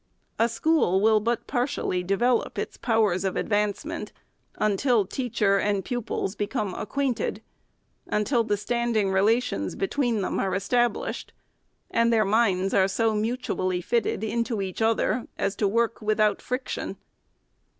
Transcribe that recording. A school will but partially develop its powers of advancement, un til teacher and pupils become acquainted ; until the standing relations between them are established, and their minds are so mutually fitted into each other as to work without friction.